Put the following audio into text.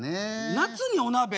夏にお鍋？